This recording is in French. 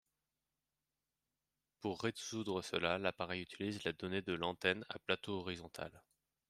Pour résoudre cela, l'appareil utilise la donnée de l'antenne à plateau horizontal.